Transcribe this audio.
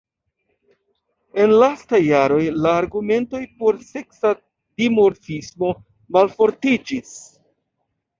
En lastaj jaroj la argumentoj por seksa dimorfismo malfortiĝis.